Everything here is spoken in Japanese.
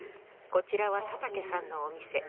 こちらは佐竹さんのお店。